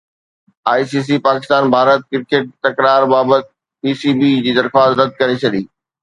I C C پاڪستان-ڀارت cricket تڪرار بابت P سي بي جي درخواست رد ڪري ڇڏي